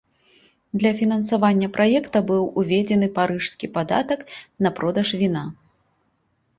Для фінансавання праекта быў уведзены парыжскі падатак на продаж віна.